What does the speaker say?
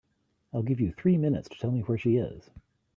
I'll give you three minutes to tell me where she is.